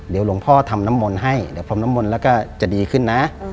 เดี๋ยวหลวงพ่อทำน้ำมนต์ให้เดี๋ยวพรมน้ำมนต์แล้วก็จะดีขึ้นนะ